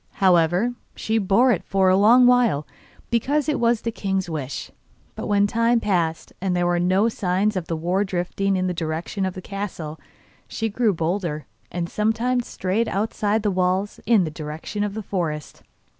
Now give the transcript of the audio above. However, she bore it for a long while because it was the king's wish, but when time passed and there were no signs of the war drifting in the direction of the castle, she grew bolder, and sometimes strayed outside the walls, in the direction of the forest.